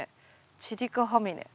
チリカハミネ。